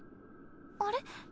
あれ？